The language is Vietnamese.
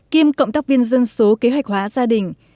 kiêm cộng tác viên dân số kế hoạch hóa gia đình